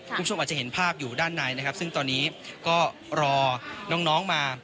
คุณผู้ชมอาจจะเห็นภาพอยู่ด้านในนะครับซึ่งตอนนี้ก็รอน้องน้องมา